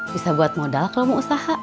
bisa buat modal kalau mau usaha